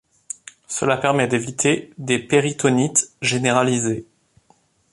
Cela permet d'éviter des péritonites généralisées.